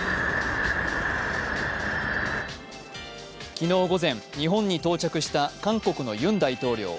昨日午前、日本に到着した韓国のユン大統領。